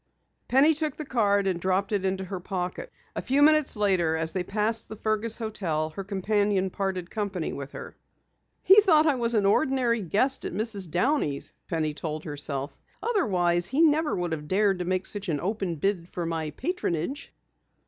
Penny took the card and dropped it into her pocket. A few minutes later as they passed the Fergus hotel, her companion parted company with her. "He thought I was an ordinary guest at Mrs. Downey's," Penny told herself. "Otherwise, he never would have dared to make such an open bid for my patronage."